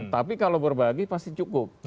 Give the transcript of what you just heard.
tapi kalau berbagi pasti cukup